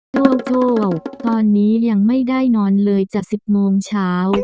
โจ้ตอนนี้ยังไม่ได้นอนเลยจาก๑๐โมงเช้า